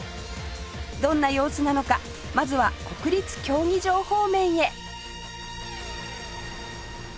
どんな様子なのかまずは国立競技場方面へ